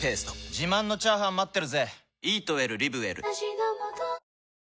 自慢のチャーハン待ってるぜ！